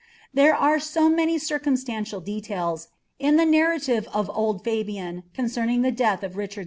rt are so tunny circumstantial details, in ttie narrative of old f concerning the deaik of RichanI II.